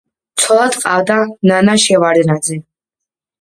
ცოლად ჰყავდა ნანა შევარდნაძე.